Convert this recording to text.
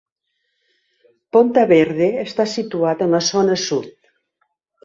Ponta Verde està situat en la zona sud.